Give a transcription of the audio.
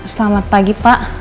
selamat pagi pak